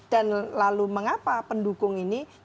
dan lalu mengapa pendukung ini condong